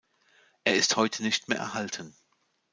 Er ist heute nicht mehr erhalten.